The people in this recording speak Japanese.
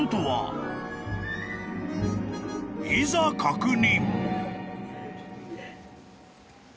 ［いざ確認！］